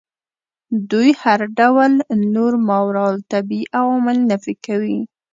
دوی هر ډول نور ماورا الطبیعي عوامل نفي کوي.